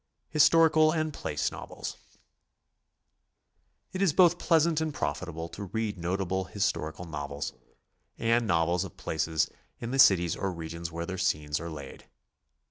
HISTORICAL AND PLACE NOVELS. It is both pleasant and profitable to read notable his torical novels and novels of places in the cities or regions where their scenes are laid.